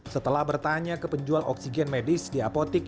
setelah bertanya ke penjual oksigen medis di apotik